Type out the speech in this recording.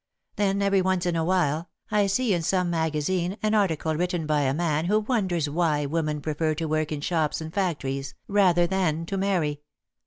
Then, every once in a while, I see in some magazine an article written by a man who wonders why women prefer to work in shops and factories, rather than to marry.